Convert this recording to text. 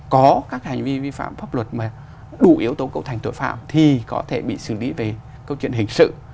có các hành vi vi phạm pháp luật mà đủ yếu tố cấu thành tội phạm thì có thể bị xử lý về câu chuyện hình sự